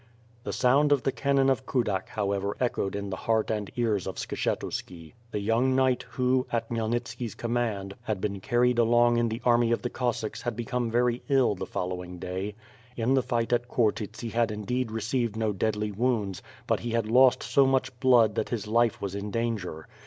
The sound of the cannon of Kudak ho wever echoed in the heart and ears of Skshetuski. The young kniefht who, at Khmyelnitski's command, had been carried along in the army of the Cossacks had become very ill the following day. 1^6 W/rZ/ FIRE AND SWORD. In the fight at Khortyts he had indeed received no deadly wounds, but he had lost so much blood that his life was in danger.